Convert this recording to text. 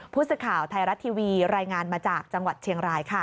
พุศข่าวไทยรัตน์ทีวีรายงานมาจากจังหวัดเชียงราย